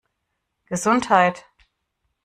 Gesundheit!